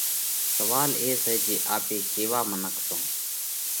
سوئال اي سئہ جي آپي ڪيا منک سون؟